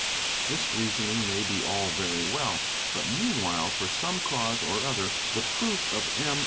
This reasoning may be all very well, but meanwhile, for some cause or other, the proof of M.